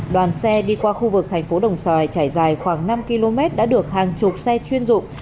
đoàn xe đi qua khu vực thành phố đồng xoài trải dài khoảng năm km đã được hàng chục xe chuyên dụng